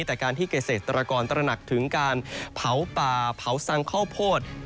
แต่การที่เกษตรกรตระหนักถึงการเผาป่าเผาสังข้าวโพด